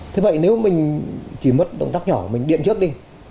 thế vậy nếu mình chỉ mất động tác nhỏ mình điện trước đi